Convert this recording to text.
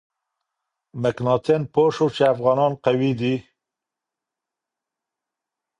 مکناتن پوه شو چې افغانان قوي دي.